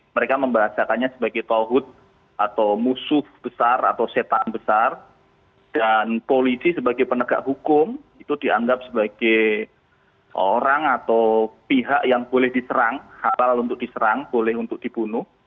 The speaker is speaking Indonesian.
mereka membahasakannya sebagai tahu